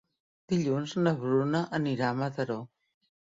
Dilluns na Bruna anirà a Mataró.